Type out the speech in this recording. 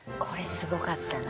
すごかった。